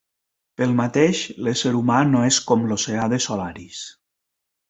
Pel mateix, l'ésser humà no és com l'oceà de Solaris.